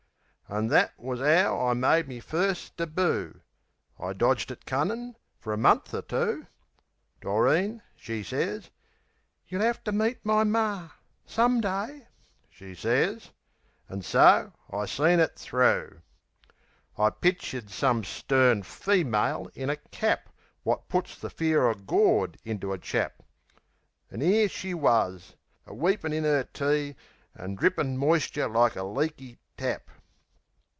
An' that wus 'ow I made me first deboo. I'd dodged it cunnin' fer a month or two. Doreen she sez, "You'll 'ave to meet my Mar, SOME day," she sez. An' so I seen it thro'. I'd pictered some stern female in a cap Wot puts the fear o' Gawd into a chap. An' 'ere she wus, aweepin' in 'er tea An' drippin' moistcher like a leaky tap.